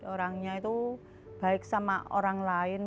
orangnya itu baik sama orang lain